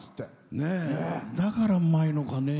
だからうまいのかね。